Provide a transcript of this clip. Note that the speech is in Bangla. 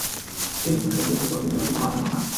এই মিশনের উদ্দেশ্য তো দুনিয়াবাসীকে বাঁচানো, না?